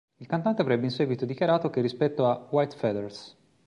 Il cantante avrebbe in seguito dichiarato che rispetto a "White Feathers".